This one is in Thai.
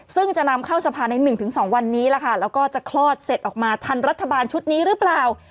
ซึ่งจะนำเข้าสภาใน๑๒วันนี้ล่ะค่ะแล้วก็จะคลอดเสร็จออกมาทันรัฐบาลชุดนี้หรือเปล่า